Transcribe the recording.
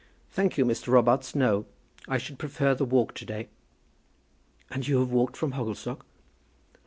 "Thank you, Mr. Robarts; no. I should prefer the walk to day." "And you have walked from Hogglestock?"